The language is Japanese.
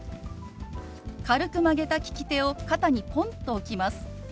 軽く曲げた利き手を肩にポンと置きます。